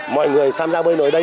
mọi người tham gia bơi nội ở đây